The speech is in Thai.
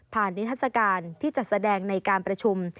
นิทัศกาลที่จัดแสดงในการประชุม